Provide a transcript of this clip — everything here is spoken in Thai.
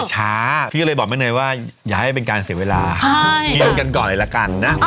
เนื่องค่ะเอาเส้นเล็กค่ะ